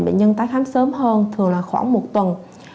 bệnh nhân tới khám sớm hơn thường là khoảng một tuần